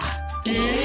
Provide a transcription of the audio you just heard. ええ！？